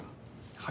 はい！